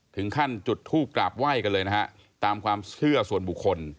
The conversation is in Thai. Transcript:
ถึงขั้นจุดทูปกราบไหว้กันเลยนะฮะตามความเชื่อส่วนบุคคล